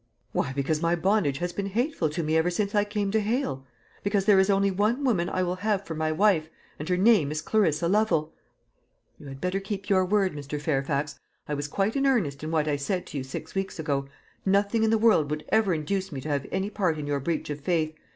"Why! Because my bondage has been hateful to me ever since I came to Hale. Because there is only one woman I will have for my wife and her name is Clarissa Lovel!" "You had better keep your word, Mr. Fairfax. I was quite in earnest in what I said to you six weeks ago. Nothing in the world would ever induce me to have any part in your breach of faith.